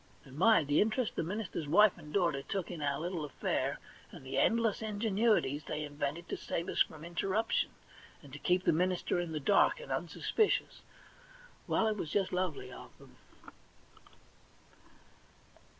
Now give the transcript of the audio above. And my ! the interest the minister's wife and daughter took in our little affair, and the endless ingenuities they invented to save us from interruption, and to keep the minister in the dark and unsuspicious — well, it was just lovely of them